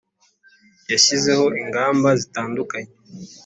yashyizeho ingamba zitandukanye